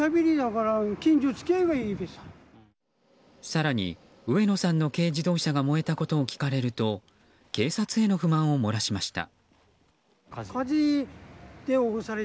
更に、上野さんの軽自動車が燃えたことを聞かれると警察への不満を漏らしました。